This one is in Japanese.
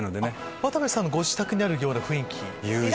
渡部さんのご自宅にあるような雰囲気。